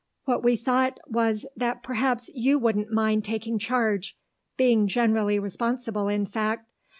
What we thought was that perhaps you wouldn't mind taking charge, being generally responsible, in fact.